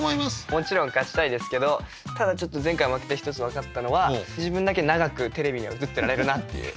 もちろん勝ちたいですけどただ前回負けて一つ分かったのは自分だけ長くテレビには映ってられるなっていう。